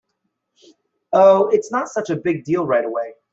Oh, it’s not such a big deal right away.